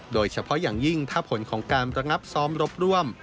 โดยเฉพาะอย่างยิ่งถ้าผลของการระงับซ้อมรบร่วม